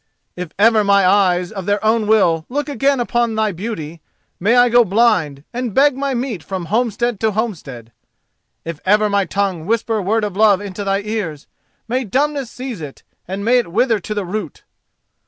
If ever my eyes of their own will look again upon thy beauty, may I go blind and beg my meat from homestead to homestead! If ever my tongue whisper word of love into thy ears, may dumbness seize it, and may it wither to the root!"